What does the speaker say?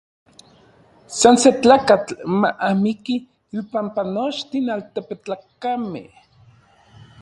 San se tlakatl ma miki inpampa nochtin altepetlakamej.